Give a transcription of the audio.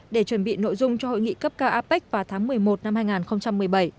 để chuẩn bị nội dung cho hội nghị cấp cao apec vào tháng một mươi một năm hai nghìn một mươi bảy